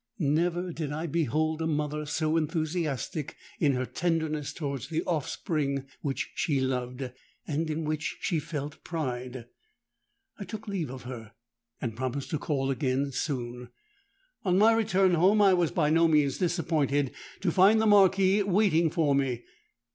Never did I behold a mother so enthusiastic in her tenderness towards the offspring which she loved—and in which she felt pride! "I took leave of her, and promised to call soon again. On my return home I was by no means disappointed to find the Marquis waiting for me.